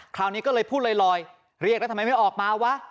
คราวนี้ก็เลยพูดลอยเรียกแล้วทำไมไม่ออกมาวะ